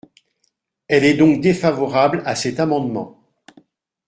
Elle est donc défavorable à cet amendement.